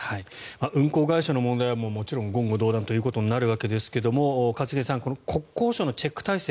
運航会社の問題はもちろん言語道断ということになるわけですが一茂さん、国交省のチェック体制